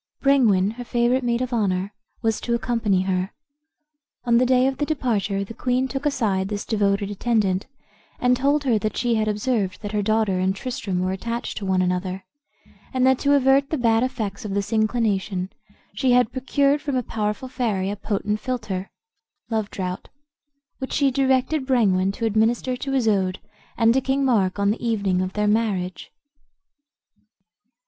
Brengwain, her favorite maid of honor, was to accompany her. On the day of departure the queen took aside this devoted attendant, and told her that she had observed that her daughter and Tristram were attached to one another, and that to avert the bad effects of this inclination she had procured from a powerful fairy a potent philter (love draught), which she directed Brengwain to administer to Isoude and to King Mark on the evening of their marriage.